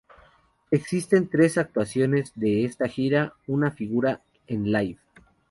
Existen tres actuaciones de esta gira: una figura en "Live!